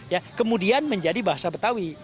ya kemudian menjadi bahasa betawi